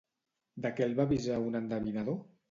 De què el va avisar un endevinador?